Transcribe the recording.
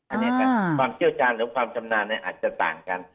อันนี้ค่ะความเชี่ยวชาญแล้วกับความจำนานเนี่ยอาจจะต่างกัน